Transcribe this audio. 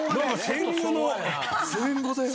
戦後だよね。